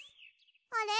あれ？